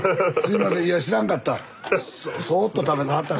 いや知らんかった。